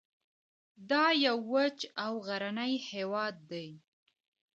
دا یو وچ او غرنی هیواد دی